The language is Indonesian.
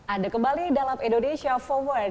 ada kembali dalam indonesia forward